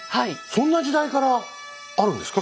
そんな時代からあるんですか？